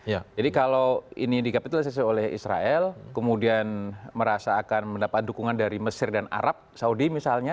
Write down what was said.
jadi kalau ini dikapitalisasi oleh israel kemudian merasa akan mendapat dukungan dari mesir dan arab saudi misalnya